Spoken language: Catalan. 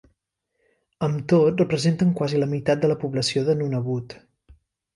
Amb tot representen quasi la meitat de la població de Nunavut.